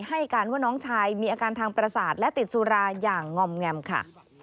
ให้การว่าน้องชายมีอาการทางประสาทและติดสุราอย่างงอมแงมค่ะ